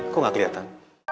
kok gak kelihatan